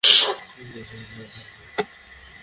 কি করেছ তা দেখো!